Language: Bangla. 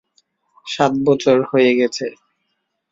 সাত বছর হয়ে গেছে।